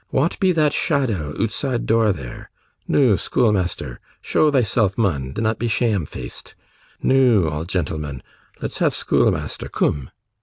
Wa'at be that shadow ootside door there? Noo, schoolmeasther, show thyself, mun; dinnot be sheame feaced. Noo, auld gen'l'man, let's have schoolmeasther, coom.